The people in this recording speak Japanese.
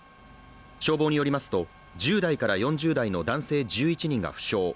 消防によりますと、１０代から４０代の男性１１人が負傷。